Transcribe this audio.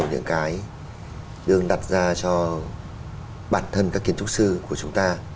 có rất nhiều cái đương đặt ra cho bản thân các kiến trúc sư của chúng ta